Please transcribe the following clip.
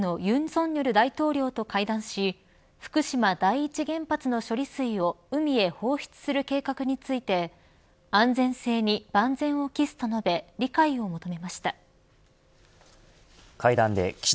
リトアニアを訪問中の岸田総理大臣は今夜韓国の尹錫悦大統領と会談し福島第一原発の処理水を海へ放出する計画について安全性に万全を期すと述べ理解を求めました。